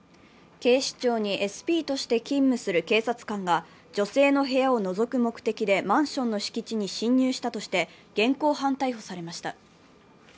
警視庁にＳＰとして勤務する警察官が女性の部屋をのぞく目的でマンションの敷地に侵入したとして現行犯逮捕されました。